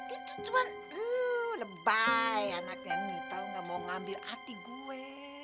itu cuman lebay anaknya ini tau nggak mau ngambil hati gue